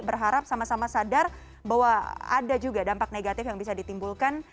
berharap sama sama sadar bahwa ada juga dampak negatif yang bisa ditimbulkan